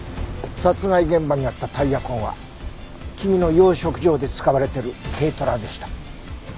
殺害現場にあったタイヤ痕は君の養殖場で使われてる軽トラでした。